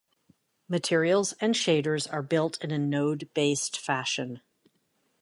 Materials and shaders are built in a node-based fashion.